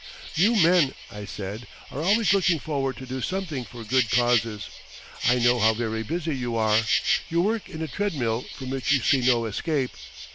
"You men," I said, "are always looking forward to do something for good causes. I know how very busy you are. You work in a treadmill from which you see no escape.